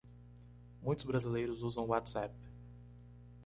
Muitos brasileiros usam o WhatsApp.